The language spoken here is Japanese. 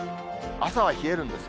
朝は冷えるんです。